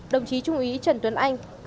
đồng chí trung ý trần tuấn anh